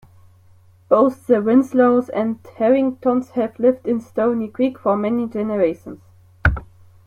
Both the Winslows and Harringtons have lived in Stony Creek for many generations.